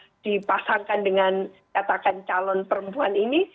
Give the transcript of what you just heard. yang dipasangkan dengan katakan calon perempuan ini